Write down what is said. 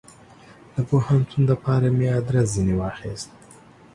د پوهنتون دپاره مې ادرس ځني واخیست.